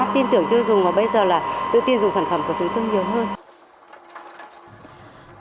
tin tưởng chưa dùng và bây giờ là tự tin dùng sản phẩm của chúng tôi nhiều hơn